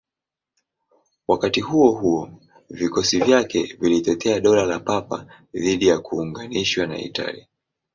Wakati huo huo, vikosi vyake vilitetea Dola la Papa dhidi ya kuunganishwa na Italia.